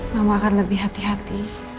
nama akan lebih hati hati